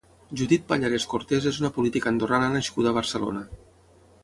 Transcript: Judith Pallarés Cortés és una política andorrana nascuda a Barcelona.